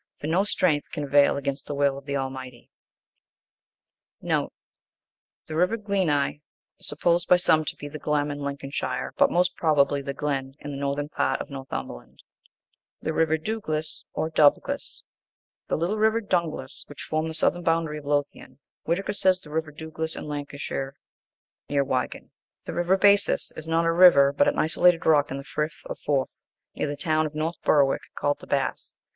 For no strength can avail against the will of the Almighty. (1) Supposed by some to be the Glem, in Lincolnshire; but most probably the Glen, in the northern part of Northumberland. (2) Or Dubglas. The little river Dunglas, which formed the southern boundary of Lothian. Whitaker says, the river Duglas, in Lancashire, near Wigan. (3) Not a river, but an isolated rock in the Frith of Forth, near the town of North Berwick, called "The Bass."